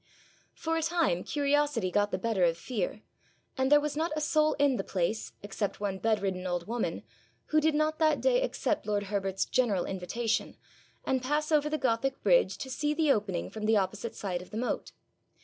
For a time curiosity got the better of fear, and there was not a soul in the place, except one bedridden old woman, who did not that day accept lord Herbert's general invitation, and pass over the Gothic bridge to see the opening from the opposite side of the moat.